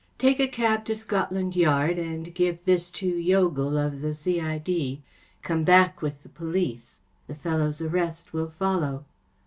" Take a cab to Scotland Yard and give this to Youghal of the C.I.D. Come back with the police. The fellow’s arrest will follow.